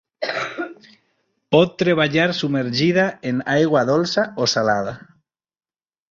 Pot treballar submergida en aigua dolça o salada.